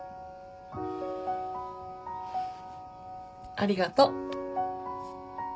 ありがと。